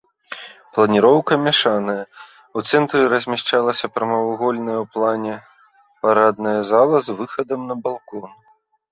Планіроўка мяшаная, у цэнтры размяшчалася прамавугольная ў плане парадная зала з выхадам на балкон.